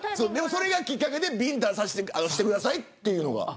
それがきっかけで、ビンタをしてくださいというのが。